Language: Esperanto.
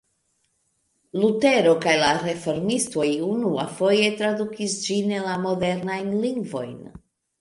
Lutero kaj la reformistoj unuafoje tradukis ĝin en la modernajn lingvojn.